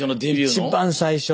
一番最初。